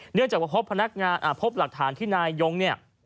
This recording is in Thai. เนื่องจากว่าพบพนักงานพบหลักฐานที่นายยงเนี่ย